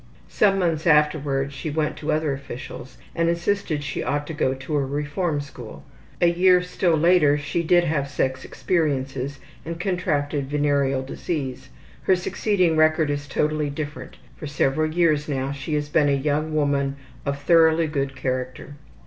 Some months afterward she went to other officials and insisted she ought to go to a reform school. A year still later she did have sex experiences and contracted venereal disease. Her succeeding record is totally different. For several years now she has been a young woman of thoroughly good character.